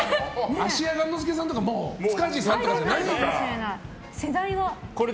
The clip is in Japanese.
芦屋雁之助さんとか塚地さんとかじゃないんだ。